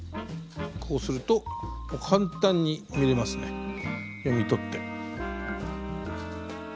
こうすると簡単に見れますね読み取って。